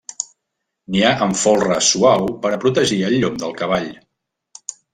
N'hi ha amb folre suau per a protegir el llom del cavall.